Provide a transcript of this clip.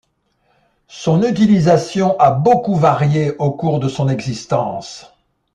Son utilisation a beaucoup varié au cours de son existence.